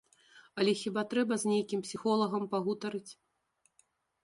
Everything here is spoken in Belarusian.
Але хіба трэба з нейкім псіхолагам пагутарыць.